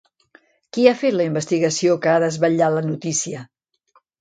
Qui ha fet la investigació que ha desvetllat la notícia?